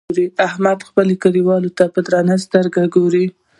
احمد خپلو کليوالو ته په درنه سترګه ګوري.